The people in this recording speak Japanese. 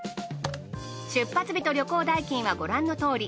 出発日と旅行代金はご覧のとおり。